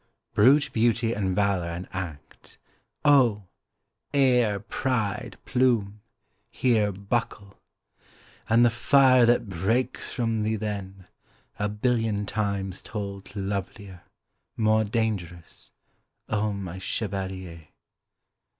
Brute beauty and valour and act, oh, air, pride, plume, here Buckle! AND the fire that breaks from thee then, a billion Times told lovelier, more dangerous, O my chevalier!